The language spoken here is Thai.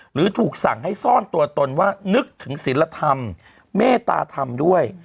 หรือถูกสั่งให้ซ่อนตัวตนว่านึกถึงศิลธรรมเมตตาธรรมด้วย